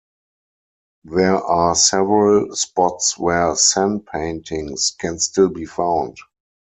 There are several spots where San paintings can still be found.